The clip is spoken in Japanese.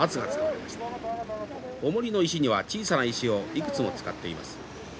おもりの石には小さな石をいくつも使っています。